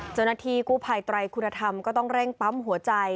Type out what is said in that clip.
เจ้าหน้าที่กู้ภัยไตรคุณธรรมก็ต้องเร่งปั๊มหัวใจ